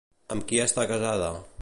Amb qui està casada?